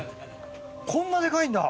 こんなデカいんだ。